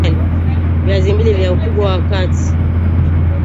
Viazi mbili vya ukubwa wa kati